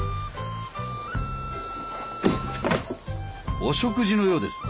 お食事のようです。